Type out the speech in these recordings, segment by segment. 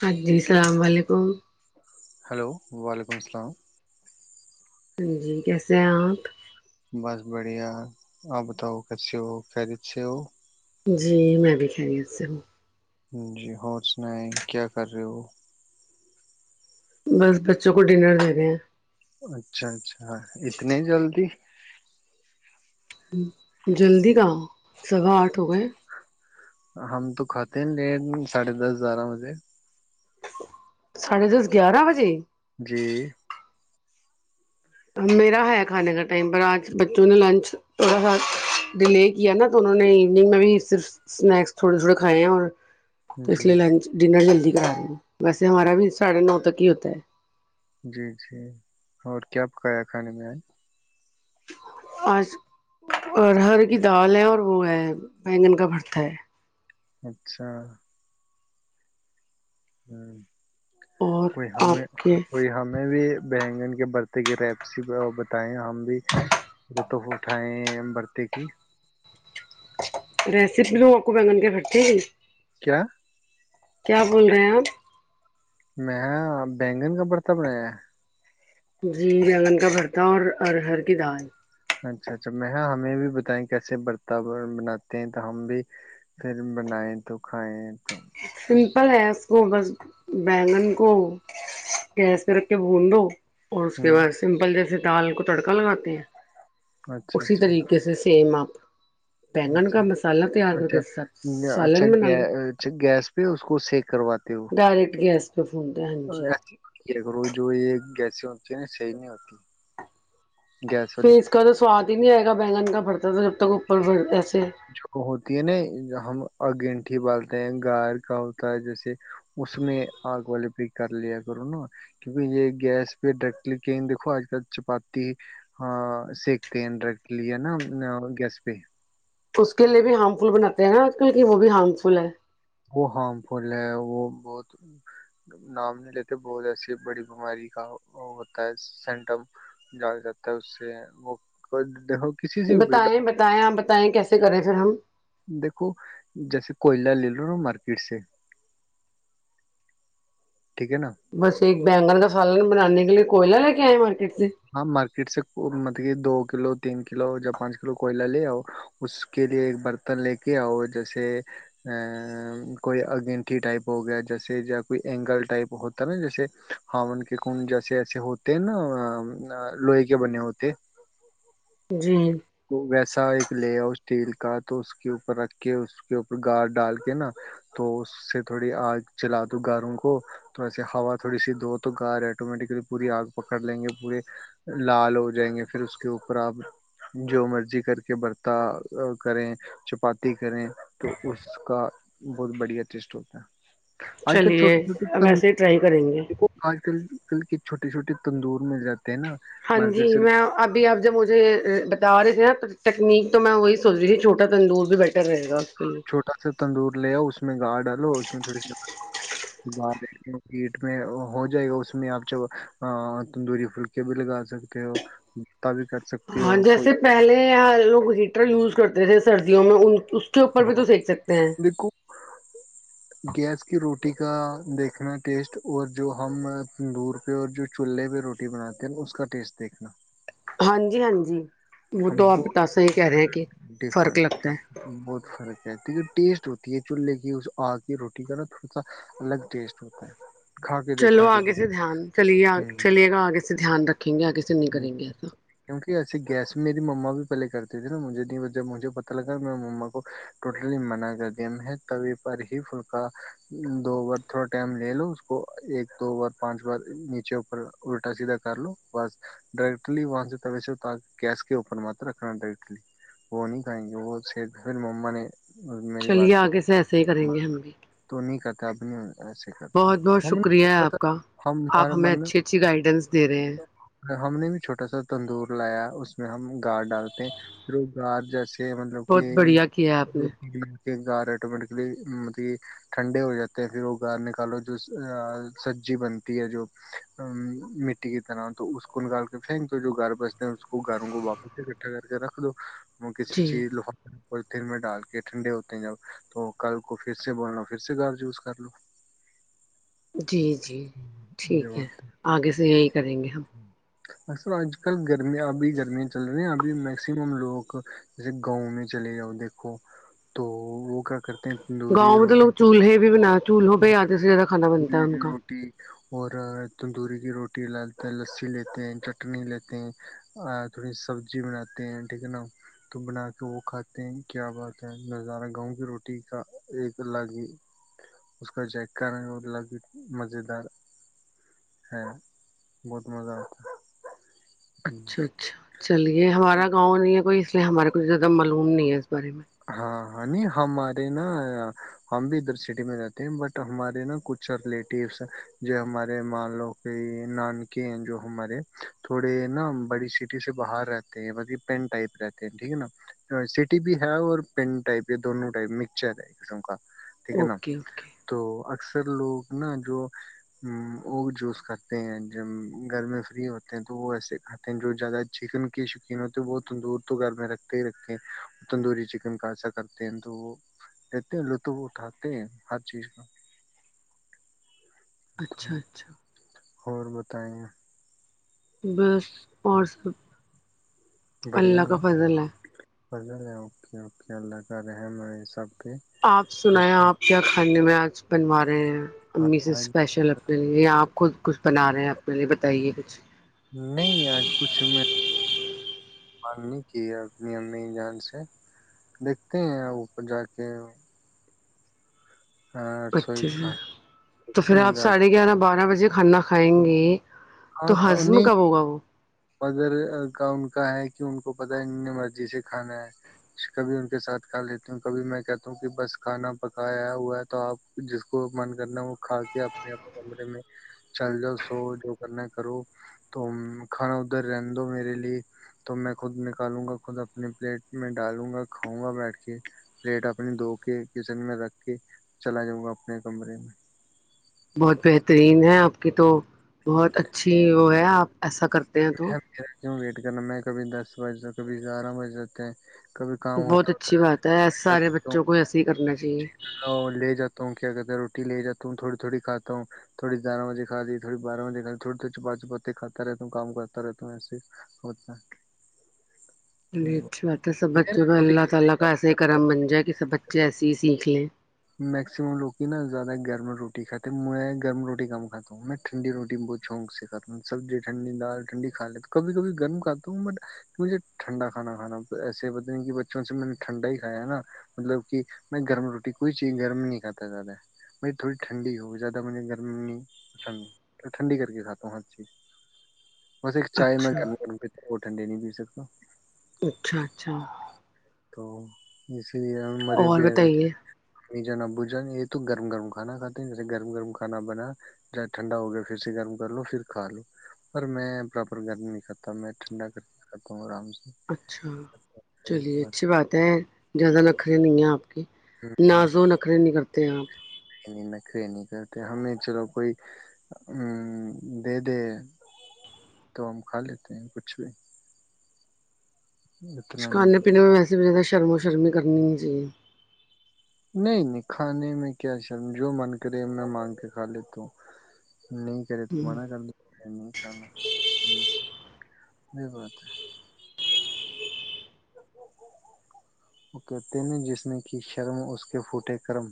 ہ جی السلام علیکم ہلو وعلیکم السلام ہاں جی کیسے ہیں آپ بس بڑھیا آپ بتاؤ کس سے ہو کیا جت سے ہو جی میں بھی خیریت سے ہوں جی ہو سنیں کیا کر رہے ہو؟ بس بچوں کو ڈنر دےنے ہیں اچھا اچھا اتنے جلدی جلدی کہاں سوا آٹھ ہو گئے ہم تو کھاتے ہیں ن لیٹ ساڑھے دس بارہ بجے صدی دس گیارہ بجے جی میرا ہےیا کھانے کا ٹائم پر آج بچوں نے لنچ تھوڑا سا ڈیلے کیا نا تو انہوں نے ایوننگ میں بھی صرف اسنیکس تھوڑے تھوڑے کھائے ہیں اور تو اس جی لیے لنچ ڈنر جلدی ویسے ہمارا بھی ساڑھے نو تک ہی ہوتا ہے جی جی اور کیا پکایا کھانے میں آئے آج ہر ہر کی دال ہے اور وہ ہے بینگن کا برت ہے اچھا ہاں اور کوئی ہمیں آپ کے کوئی ہمیں بھی بگن کے برتے کی ریپسی بتائے ہم بھی لطف اٹھائے برتی کی ریسیپ لوگ آ کو بینگن کے کھٹتی کیا کیا بول رہے ہیں آپ میں بینگن کا بڑتا بنایا جی رگن کا بھرتا اور ارہر کی دال اچھا اچھا میں ہمیں بھی بتائ کیسے برتا بناتے ہیں تو ہم بھی پھر بنائے تو کھائیں تو سمپل ہے اس کو بس بینگن کو گیس پہ رکھ کے بھون دو اور اس کے ہوں بعد سمپل جیسے دال کو تڑکا لگاتے ہیں اچھا اسی اچھا طریقے سے سیم آ بینگن کا اچھا مسالہ تیار کر اچھا کے سب یا- سالے اچھا ن منا گے لو اچھا گیس پہ اس کو سیک کرواتے ہو ڈائریکٹ گیس پہ فون د ہاں جی د رو جو یہ گیسی ہوتی ہیں نا صحیح نہیں ہوتی گیس فی والی اس کا سواد نہیں آئےا بینگن کا بڑھتا تو تک اوپر ایسے ہوتی ہے ن ہم اور گینٹھی بالتے ہیں گار کا ہوتا ہے جیسے اس میں آگ والے پہ کر لیا کرو نا کیونکہ یہ گیس پہ ڈائریکٹلی کہیں دیکو آج کل چپاتی سکتے ہیں ڈائریکٹلی ہے نا گیس پ [unintelligible] اس کے لیے بھی ہارم فل بناتے ہیں نا آج کل کی وہ بھی ہارم فل ہے وہ ہارم فل ہے وہ بہت نام نہیں لیتے بہت ایسی بڑی بیماری کا ہوتا ہے سمٹم جگ جاتا ہے اس سے وہ دیکھو کسی سے بھی بتائیں بتائیں آپ بتائیں کیسے کریں ار ہم دیکھو جیسے کوئلہ لے لو نا مارکیٹ سے ٹھیک ہے نا بس ایک بینگن کا فھال بھی بنانانی اگ کوئلا ل کیا ہے مارکیٹ سے ہاں مارکیٹ سے مطلب کہ دو کلو تین کلو یا پانچ کلو کوئلہ لے آؤ اس کے لیے ایک برتن لے کے آؤ جیسے ا کوئی اگینٹیھی ٹائپ ہو گیا جیسے یا کوئی اینگل ٹائپ ہوتا ہے نا جیسے ہاون کے کنڈ جیسے ایسے ہوتے ہیں نا لوہے کے بنے ہوتے جی کو ویس ایسا ایک لےیا اسٹیل کا تو اس کے اوپر رکھ کے اس کے اوپر گار ڈال کے نا تو اس سے تھوڑی آگ چلا دو گاروں کو تھوڑا س ہوا تھوڑی سی دھو تو گار ایٹومیٹیکلی پوری آگ پکڑ لیں گے پورے لال ہو جائیں گے پھر اس کے اوپر آپ جو مرضی کر کے برتا کریں چپاتی کریں تو اس کا بہت بڑھیا ٹیسٹ ہوتا ہے آج کل چلیے چھوٹے چھوٹے اب س ایسے ہی ٹرائی کریں گے آج کل ل کی چھوٹی چھوٹی تندور مل جاتی ہاں جی میں ابھی اب جوب مجھے جا رہے تھ نا تکنییک تو میں وہی سوچ رہی چھوٹا ت اندورز بھی بیٹر رہے گا کے لیے چھوٹا سا تندور لے آؤ اس میں گا ڈالو اس میں تھوڑی سی گار میں کیٹ میں ہو جائے گا اس میں آپ جب تندوری پھلکے بھی لگا سکتے ہو بھی کر سکتی ہاں ہو کوئی جیسے پہلے لوگ ہیٹر یوز کرتے تھے سردیوں میں کے اوپر بھی ہاں تو دیکھ سکتے ہیں دیکھو گیس کی روٹی کا دیکھنا ٹیسٹ اور جو ہم تندور پہ اور جو چولہے پہ روٹی بناتے ہیں اس کا ٹیسٹ دیکھنا ہاں جی ہاں جی وہ تو ہم آپ بہت تسہ ہی کہہ رہے ہیں کہ فرق ڈفرنٹ لگتا ہے بہت فرق ٹیسٹ ہوتی ہے چولہے کی اس آ کی روٹی کا نا تھوڑا سا الگ ٹیسٹ ہوتا ہے کھا کے چلو دیکھنا آگے کبھی سے دھیان چلیے ہ چلیے گا آگے سے دھیان رکھیں گے آگے سے نہیں کریں گے ایسا س گیس میری مما بھی پہلے کرتی تھے نا مجھے نہیں جب مجھے پتا لگا میں مما کو ٹوٹلی منع کر دیا میں توی پر ہی پلا دو بار تھوڑا ٹائم لے لو اس کو ایک دو بار پانچ بار نیچے اوپر الٹا سیدھا کر لو بس ڈائرٹلی وہاں سے ت سے گیس کے اوپر م تو رکھنا ڈائریکٹلی وہ نہیں کھائیں گے وہ پھر مما نے میری چلیے بات کو آگے سے ایسا ہی کریں گے ہم بھی تو نہیں کرتے اب نہیں ایسے کرتے بہت بہت ہم نے شکریہ ہے آپ کا ہم آپ ہمارا ہمیں من اچھی اچھی گائڈنس ہم نے بھی چھوٹا سا تندور لایا اس اس میں ہم گار ڈالتے ہیں پھر وہ گار جیسے ج مطلب بہت کہ بڑھیا کیا ہے آپ نے ل کہ گار آٹومیٹکلی مب ٹھنڈے ہو جاتے ہیں پھر وہ گار نکالو جو سبزی بنتی ہے جو م مٹی کی طرح تو اس کو نکال کے پھینک دو جو گھر بستے ہیں اس کو گھروں کو واپس اکٹھا کر کے رکھ دو وہ کسی جی چیز ل پ دن میں ڈال کے ٹھنڈے ہوتے ہیں جب تو کل کو پھر سے بول لو پھر سے گھر وز کر لو جی جی ٹھیک یہ ہے بات آگے سے یہی کریں گے ہم اصل آج کل گرمیاں ابھی گرمیاں چل رہی ہیں ابھی میکسیمم لوگ جیسے گاؤں میں چلے جاؤ دیکھو تو وہ کیا کرتے ہیں تندوری گاؤں میں تو روٹی لو چولہے بھی بنا چولہوں پہ آتے سے زیادہ کھانا بنتا تندوری ہے ان کا روٹی اور تندوری کی روٹی لالتے لسی لیتے ہیں چٹنی لیتے ہیں تھوڑی سبزی بناتے ہیں ٹھیک ہے نا تو بنا کے وہ کھاتے ہیں کیا بات ہے نظارہ گاؤں کی روٹی کا ایک الگ ہی اس کا ج الگ ہی مزیدار ہے بہت مزہ آتا ہے اچھا اچھا چلیے ہمارا گاؤں نہیں ہے کوئی کہ ہمارے کچھ زیادہ معلوم نہیں ہے بارے میں [inaudible] ہاں ہمارے نا ہم بھی ادھر سٹی میں رہتے ہیں بٹ ہمارے نا کچھ ریلیٹیوس جو ہمارے مان لو کہ نانکے ہیں جو ہمارے تھوڑے نا بڑی سٹی سے باہر رہتے ہیں بی پین ٹائپ رہتے ہیں ٹھیک ہے نا سٹی بھی اور پین ٹائپ یہ دونوں ٹائپ مکسچر ہے کسم کا ٹھیک ہے نا اوکے اوکے توث اکثر لوگ نا جو اگ جوس کھاتے ہیں ج گھر میں فری ہوتے ہیں تو وہ ایسے کھاتے ہیں جو زیادہ چکن کی شوقین ہوتے وہ تندور تو گھر میں رکھتے ہی رکھتے ہیں تندوری چکن کا ایسا کرتے ہیں تو وہ لیتے ہیں لطف اٹھاتے ہیں ہر چیز کا تو اچھا اچھا اور بتائے بس اور سب اللہ بڑھیا کا نا فضل ہے فضل ہے اوکے اوکے اللہ کا رحم ہے یہ سب پہ آپ خوش سنایا ہے آپ کیا کھانے میں آج بنوارے ہیں [inaudible] ہاں امی سے آج اسپیشل اپنے لیے آپ خود کچھ بنا رہے ہیں اپنے لیے بتائیے کچھ نہیں آج کچھ میںان نہیں کی اپنی امی جان سے دیکھتے ہیں اوپر جا کے ہاں پچ رسوئی کھا تو دیکھتے پھر ہیں آپ جا کے ساڑھے گیارہ بارہ بجے مھے کھانا کھائیں گے تو ہاں ہضم انیں کب ہوگا وہ مگرگر کا ان کا ہے کہ ان کو پتا ہے انے مرضی سے کھانا ہے کبھی ان کے ساتھ کھا لیتی ہوں کبھی میں کہتا ہوں کہ بس کھانا پکایا ہوا ہے تو آپ جس کو من کرنا وہ کھا کے اپنے اپنے کمرے میں چل جاؤ سو جو نا کرو تو کھانا ادھر رہن دو میرے لیے تو میں خود نکالوں گا خود اپنی پلیٹ میں ڈالوں گا کھاؤں گا بیٹھ کے پلیٹ اپنی دھو کے کچن میں رکھ کے چلا جاؤں گا اپنے کمرے میں بہت بہترین ہے آپ کی تو بہت اچھی وہ ہے آپ ایسا کرتے ہیں تو ج میں کبھی دس بج کبھی گیارہ بج جاتتے ہیں کبھی کام بہت ہوتا ہوتا اچھی بات ہے ای کیا سارے کرتا ہوں بچوں کو ایسے ہی کرنا چاہیے ل جاتا ہوں تھوی تھوڑی کاتا ہوں تھوی گیارہ بجےھا دیی تھڑ بہ بج کھا تھڑی تھو چپا چپاتے کاتا رہتا ت کام کرتا رہ تو ایسے ہوتا ہے میرا روٹی اللہ تعالی کا ایسے کھانے کرم بن جائے کہ بچے ایسی ہی سیکھیں میکسم لوگ کی نا زیادہ گرم روٹی کھے میں گرم روٹی کم کھا ہوں میں ٹھنی روٹی میں بہت شوق سے کھا ہوں سبزی ٹھنڈی دال ٹھنڈی کھ لیے تو کبھی کبھی گرم کھا ہوں بٹ مجھے ٹھنڈا کھانا کھا ایسے پت نہیں کہ بچوں سے میں نے ٹھنڈا ہی کھا ہے نا مطلب کہ میں گرم روٹی کوئی چیز گرم نہیں کھاتا ہے زیادہ مری تھوڑی ٹھنڈی ہو زیادہ مجھے گرم نہیں ٹھن ٹھنڈی کر کے کھاتا ہوں ہر چیز وہ چائے میں اچھا گ ٹنڈی نہیں پی سکتا اچھا اچھا تو اس جھیک ہے ہم مرے اور بھی بتائیے ن جان ابو جان یہ تو گرم گرم کھانا کھاتے ہیں جیسے گرم گرم کھانا بنا جاہے ٹھنڈا ہو گیا پھر سے گرم کر لو پھر کھا لو پر میں پراپر گرم نہیں کاتا میں ٹھنڈا کر کے کھاتا ہوں آرام سے اچھا چلیے اچھی بات ہے زیادہ لکھریں نہیں ہیں آپ ہے۔ ہوں، نازو نخرے نہیں کرتا تے ہیں آپ ے نہیں کرتے ہمیں چلو کوئی دے دے تو ہم کھا لیتے ہیں کچھ بھی اتنا کھانے پینے نہیں میں ویسے بھی زیادہ شرم و شرمی کرنی ہو چاہیے نہیں نہیں کھانے میں کیا شرم جو من کرے میں مانگ کے کھا لیتا ہ نہیں کرے تو ہ منع کر نہیں کھانا یہ بات ہے کہتے ن جسم کی شرم اس کے پھوٹے کرم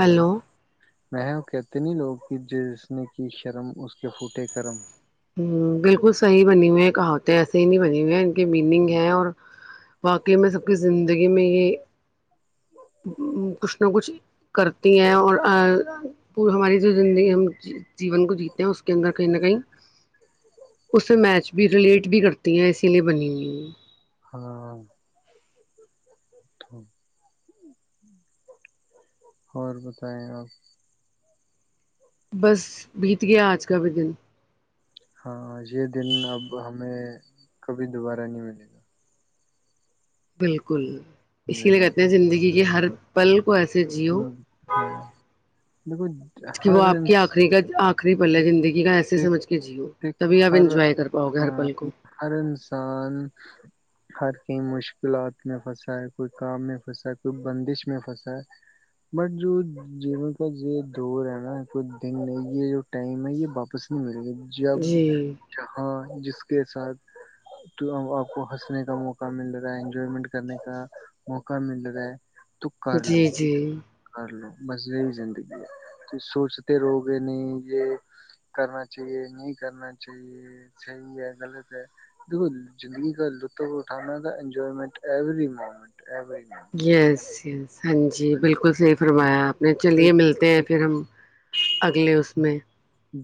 ہلو م کہتے نہیں لوگ کی جس نے کی شرم اس کے پھوٹے کرم ہ بالکل صحیح بنی ہوئی ہیں کہا ہوتے ایسے ہی نہیں بنی ہوئے ہیں مییننگ ہے اور واقی میں سب کی زندگی میں یہ کچھ نہ کچھ کرتی ہیں اور پ ہماری جو زندگی ہم جیون کو جیتے ہیں اس کے اندر کہیں نہ کہیں اس سے میچ بھی ریلیٹ بھی کرتی ہیں اسی لیے بنی ہوئی ہے ہاں تو اور بتائیں آپ بس بیت گیا آج کا بھی دن ہاں یہ دن اب ہمیں کبھی دوبارہ نہیں ملے گا بالکل اسی لیے کہتے ہیں زندگی کے ہر پلک ہ ہاں دیکھو کہ وہ ہر آپ کی انس آخری کا آخری پل ہے زندگی کا ایسے سمجھ کے جیو دیکھو تبھی آپ ہر انجوائے کر پاؤ گے ہ ہر پل کو ہر انسان ہر کہیں مشکلات میں پھنسا ہے کوئی کام میں پھنسا ہے کوئی بندش میں پھنسا ہے بٹ جو جیون کا یہ دور ہے نا کو دن ہے یہ جو ٹائم ہے یہ واپس نہیں ملے گی جب جی جہاں جس کے ساتھ آپ کو ہنسنے کا موقع مل رہا ہے انجوائمنٹ کرنے کا موقع مل رہا ہے تو کر جی لو ٹھیک جی کر ل مزی زندگی ہے سوچتے رہو گے نہیں یہ کرنا چاہیے نہیں کرنا چاہیے صحیح ہے غلط ہے دیکھو زندگی کا لطف اٹھانا تھا enjoyment every moment yes yes ہاں جی بالکل صحیح فرمایا آپ نے چلیے ملتے ہیں پھر ہم اگلے اس میں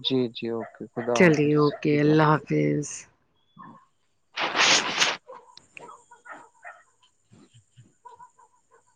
جی جی اوکے خدا چلیے حافظ اوکے خدا اللہ حافظ [unintelligible]